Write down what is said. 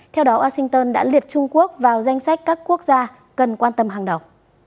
theo đó washington đã liệt trung quốc vào danh sách các quốc gia cần quan tâm hàng đầu